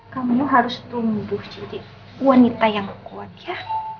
kamu harus tumbuh jadi wanita yang kuat ya